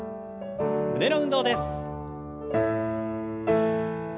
胸の運動です。